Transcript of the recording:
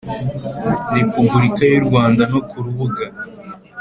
Repubulika y u Rwanda no ku rubuga